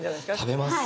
食べます。